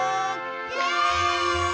イエーイ！